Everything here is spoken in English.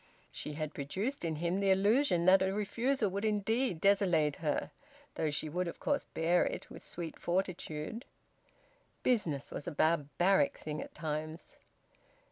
(She had produced in him the illusion that a refusal would indeed desolate her, though she would of course bear it with sweet fortitude.) Business was a barbaric thing at times.